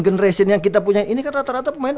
generation yang kita punya ini kan rata rata pemain